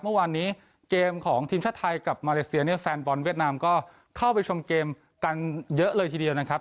เมื่อวานนี้เกมของทีมชาติไทยกับมาเลเซียเนี่ยแฟนบอลเวียดนามก็เข้าไปชมเกมกันเยอะเลยทีเดียวนะครับ